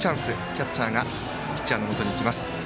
キャッチャーがピッチャーのもとに行きます。